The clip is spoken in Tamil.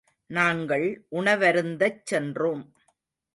நாங்கள் உணவருந்தச் சென்றோம்.